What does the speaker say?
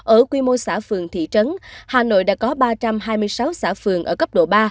ở quy mô xã phường thị trấn hà nội đã có ba trăm hai mươi sáu xã phường ở cấp độ ba